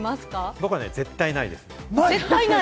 僕は絶対ないです。